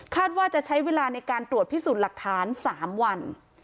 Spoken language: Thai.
ว่าจะใช้เวลาในการตรวจพิสูจน์หลักฐาน๓วัน